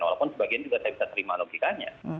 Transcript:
walaupun sebagian juga saya bisa terima logikanya